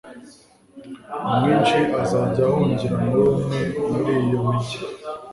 umwishi azajya ahungira muri umwe muri iyo migi